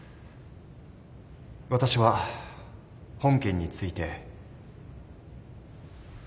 私は本件について。